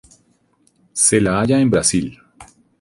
Se la halla en Brasil.